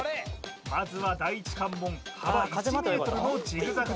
まずは第１関門幅１ｍのジグザグ